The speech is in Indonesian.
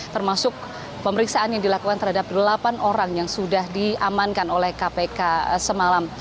termasuk pemeriksaan yang dilakukan terhadap delapan orang yang sudah diamankan oleh kpk semalam